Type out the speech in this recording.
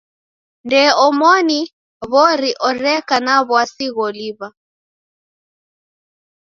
Ndee na omoni w'ori oreka na w'asi gholiw'a.